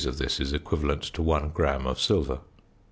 of this is equivalent to 1 gram of silver.